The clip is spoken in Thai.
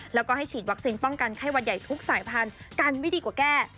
แล้วก็ให้ฉีดวัคซีนป้องกันไข้หวัดใหญ่ทุกสายพันธุ์กันไม่ดีกว่าแก้